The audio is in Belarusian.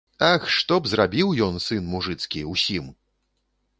Ах, што б зрабіў ён, сын мужыцкі, усім!